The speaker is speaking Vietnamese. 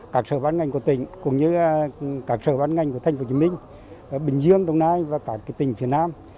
các sở bán ngành của tỉnh cũng như các sở bán ngành của thành phố hồ chí minh bình dương đồng nai và các tỉnh phía nam